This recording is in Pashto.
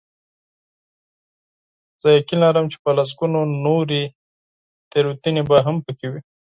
زه یقین لرم چې په لسګونو نورې غلطۍ به هم پکې وي.